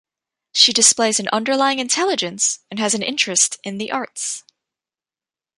She displays an underlying intelligence, and has an interest in the arts.